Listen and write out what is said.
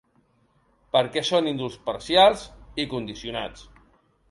Perquè són indults parcials i condicionats.